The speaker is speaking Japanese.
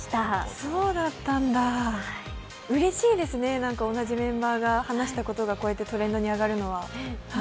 そうだったんだ、うれしいですね、同じメンバーが話したことがこうやってトレンドに上がるのは。